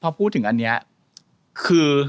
พอพูดถึงอันนี้คือ